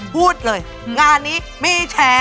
พูดเลยงานนี้มีแฉ